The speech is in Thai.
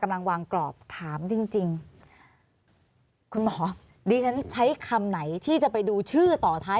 กำลังวางกรอบถามจริงจริงคุณหมอดิฉันใช้คำไหนที่จะไปดูชื่อต่อท้าย